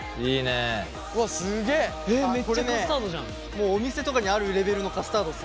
もうお店とかにあるレベルのカスタードっすね。